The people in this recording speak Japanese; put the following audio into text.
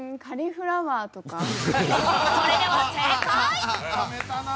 カリフラワーとか？